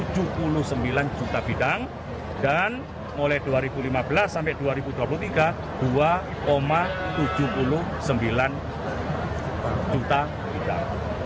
tujuh puluh sembilan juta bidang dan mulai dua ribu lima belas sampai dua ribu dua puluh tiga dua tujuh puluh sembilan juta bidang